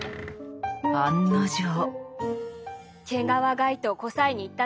案の定。